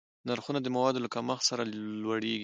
نرخونه د موادو له کمښت سره لوړېږي.